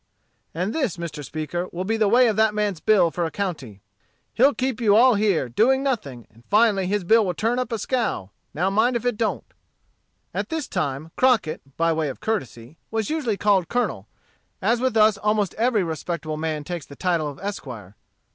And this, Mr. Speaker, will be the way of that man's bill for a county. He'll keep you all here, doing nothing, and finally his bill will turn up a skow; now mind if it don't." At this time, Crockett, by way of courtesy, was usually called colonel, as with us almost every respectable man takes the title of esquire.